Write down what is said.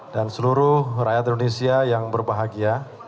dan seluruh rakyat indonesia yang berbahagia